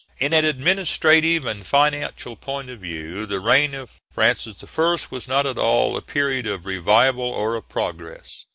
] In an administrative and financial point of view, the reign of Francis I. was not at all a period of revival or of progress.